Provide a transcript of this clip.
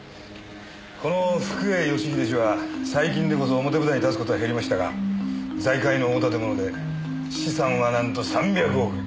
この福栄義英氏は最近でこそ表舞台に立つ事は減りましたが財界の大立者で資産はなんと３００億円！